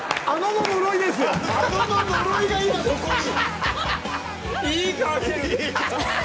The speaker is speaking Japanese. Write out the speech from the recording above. あのの呪いが今ここに？